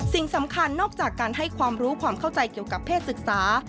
สิ่งสำคัญนอกจากการให้ความรู้ความเข้าใจเกี่ยวกับเพศศึกษา